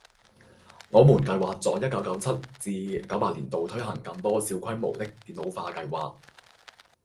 我們計劃在一九九七至九八年度推行更多小規模的電腦化計劃